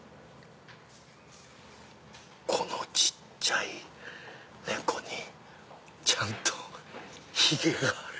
この小っちゃい猫にちゃんとひげがある。